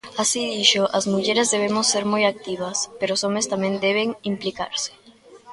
Así, dixo, "as mulleres debemos ser moi activas", pero os homes tamén deben "implicarse".